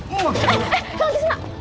eh eh kalau disana